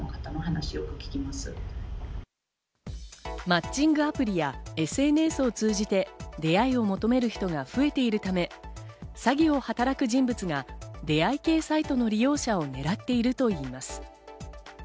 マッチングアプリやＳＮＳを通じて出会いを求める人が増えているため、詐欺を働く人物が出会い系サイトの利用者を狙っているといいます。